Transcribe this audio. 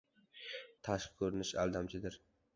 • Tashqi ko‘rinish aldamchidir.